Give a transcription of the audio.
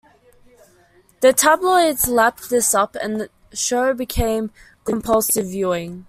The tabloids lapped this up and the show became compulsive viewing.